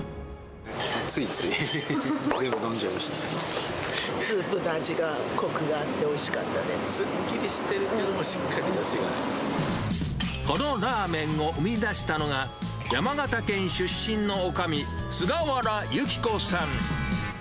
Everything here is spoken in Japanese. ついつい全部飲んじゃいましスープの味がこくがあっておすっきりしてるけど、しっかこのラーメンを生み出したのは、山形県出身のおかみ、菅原由紀子さん。